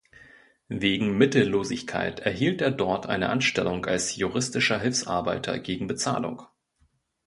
Wegen Mittellosigkeit erhielt er dort eine Anstellung als juristischer Hilfsarbeiter gegen Bezahlung.